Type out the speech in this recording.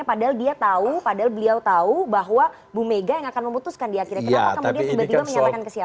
padahal dia tahu padahal beliau tahu bahwa bu mega yang akan memutuskan di akhirnya kenapa kemudian tiba tiba menyatakan ke siapa